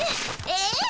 えっ？